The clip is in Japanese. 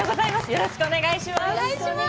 よろしくお願いします。